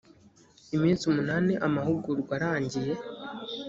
iminsi umunani amahugurwa arangiye